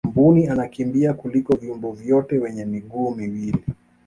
mbuni anakimbia kuliko viumbe wote wenye miguu miwili